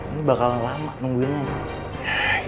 ini bakal lama nungguinnya